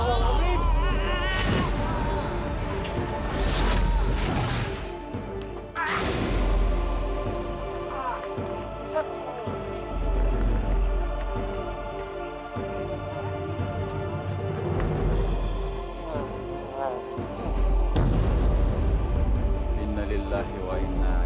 kau pun sama